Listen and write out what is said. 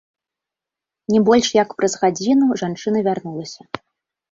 Не больш як праз гадзіну жанчына вярнулася.